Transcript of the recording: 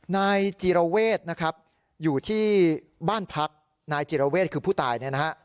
นายจีรเวศนะครับอยู่ที่บ้านพักนายจิรเวทคือผู้ตายเนี่ยนะฮะ